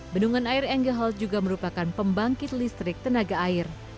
bendungan air engel juga merupakan pembangkit listrik tenaga air